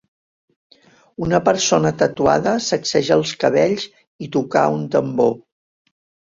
Una persona tatuada sacseja els cabells i tocar un tambor.